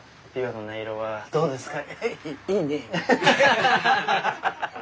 そうですか。